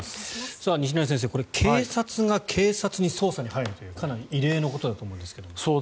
警察が警察に捜査に入るというかなり異例のことだと思いますが。